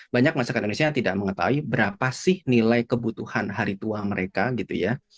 banyak masyarakat indonesia yang tidak mengetahui berapa sih nilai kebutuhan hari tua mereka gitu ya